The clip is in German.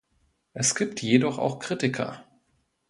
Es gibt jedoch auch Kritiker.